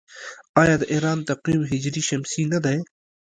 آیا د ایران تقویم هجري شمسي نه دی؟